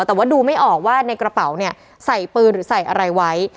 แต่ว่าดูไม่ออกว่าในกระเป๋าเนี่ยใส่ปืนหรือใส่อะไรไว้